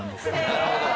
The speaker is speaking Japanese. なるほど。